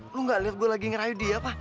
lu gak liat gue lagi ngerayu dia apa